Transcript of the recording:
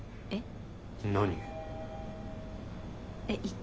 えっ？